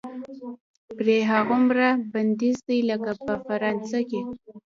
پرې هماغومره بندیز دی لکه په فرانسه کې.